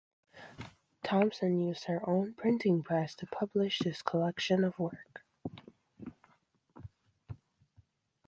Thompson used her own printing press to publish this collection of work.